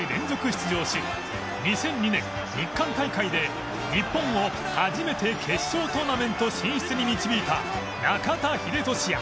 出場し２００２年日韓大会で日本を初めて決勝トーナメント進出に導いた中田英寿や